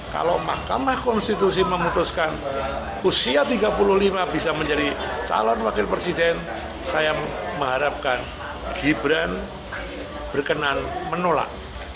kalau mahkamah konstitusi memutuskan usia tiga puluh lima bisa menjadi calon wakil presiden saya mengharapkan gibran berkenan menolak